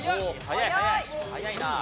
早いなあ。